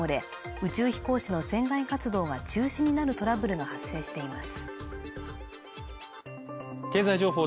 宇宙飛行士の船外活動が中止になるトラブルが発生しています